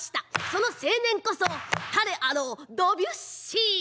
その青年こそ誰あろうドビュッシー。